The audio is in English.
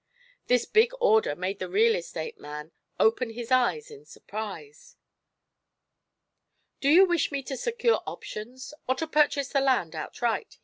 This big order made the real estate man open his eyes in surprise. "Do you wish me to secure options, or to purchase the land outright?"